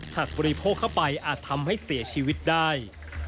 บริโภคเข้าไปอาจทำให้เสียชีวิตได้